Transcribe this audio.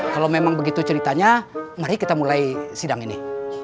kalau memang begitu ceritanya mari kita mulai sidang ini